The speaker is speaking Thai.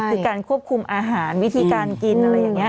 คือการควบคุมอาหารวิธีการกินอะไรอย่างนี้